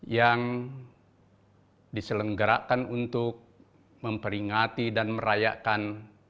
yang diselenggarakan untuk memperingati dan merayakan